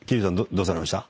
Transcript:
どうされました？